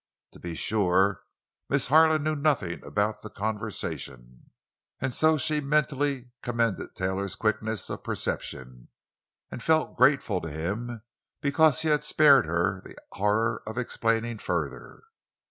To be sure, Miss Harlan knew nothing about the conversation, and so she mentally commended Taylor's quickness of perception, and felt grateful to him because he had spared her the horror of explaining further.